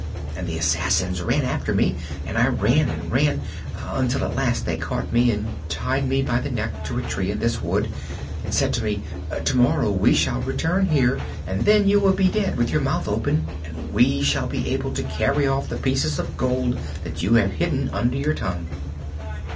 And the assassins ran after me, and I ran, and ran, until at last they caught me and tied me by the neck to a tree in this wood, and said to me: 'Tomorrow we shall return here and then you will be dead with your mouth open and we shall be able to carry off the pieces of gold that you have hidden under your tongue."